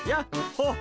ほっ！